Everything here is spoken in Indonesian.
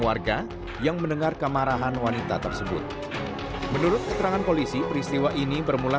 warga yang mendengar kemarahan wanita tersebut menurut keterangan polisi peristiwa ini bermula